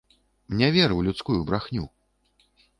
Не вер у людскую брахню!